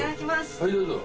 はいどうぞ。